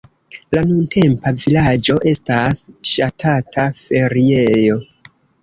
La nuntempa vilaĝo estas ŝatata feriejo.